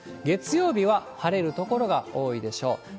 月曜日は晴れる所が多いでしょう。